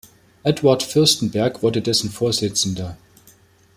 Eduard Fürstenberg wurde dessen Vorsitzender.